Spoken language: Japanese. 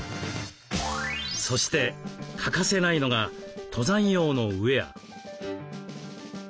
そして欠かせないのが登山用のウエア。